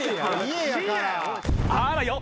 あらよ。